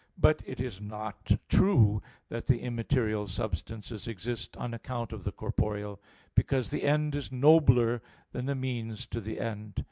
But it is not true that the immaterial substances exist on account of the corporeal, because the end is nobler than the means to the end.